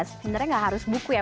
sebenarnya nggak harus buku ya